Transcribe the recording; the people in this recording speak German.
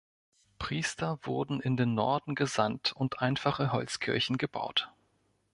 Priester wurden in den Norden gesandt und einfache Holzkirchen gebaut.